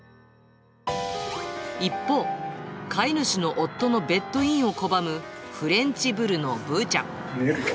一方、飼い主の夫のベッドインを拒むフレンチブルのぶーちゃん。